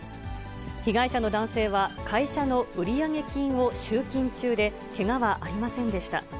被害者の男性は、会社の売上金を集金中で、けがはありませんでした。